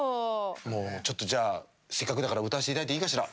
もうちょっとじゃあせっかくだから歌わせていただいていいかしら。